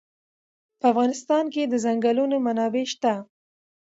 په افغانستان کې د چنګلونه منابع شته.